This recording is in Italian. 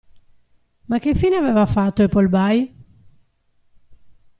Ma che fine aveva fatto Appleby?